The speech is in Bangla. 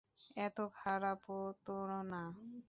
এতো খারাপও তো না!